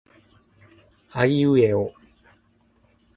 aiueo